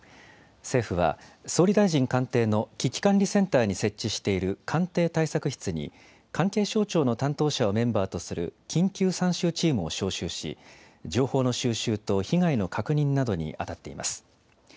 政府は、総理大臣官邸の危機管理センターに設置している官邸対策室に、関係省庁の担当者をメンバーとする緊急参集チームを招集し、情報の収集と被害の確認などに当たっています。